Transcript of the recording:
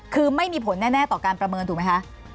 คือไม่มีผลแน่ต่อการประเมินถูกไหมคะ